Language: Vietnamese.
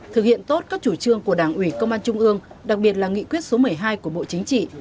thực hiện tốt các chủ trương của đảng ủy công an trung ương đặc biệt là nghị quyết số một mươi hai của bộ chính trị